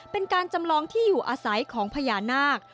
เป็นการจำลองที่อยู่อาศัยของพญานาค